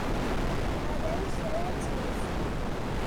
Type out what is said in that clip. Adéu seda xinesa!